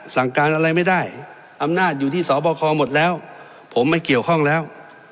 สั่งการอะไรไม่ได้อำนาจอยู่ที่สบคหมดแล้วผมไม่เกี่ยวข้องแล้ว